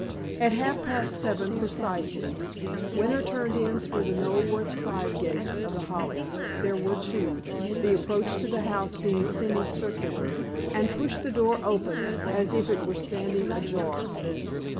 At half past seven precisely, Winter turned in through the Knoleworth side gate of The Hollies (there were two, the approach to the house being semi circular) and pushed the door open, as it was standing ajar.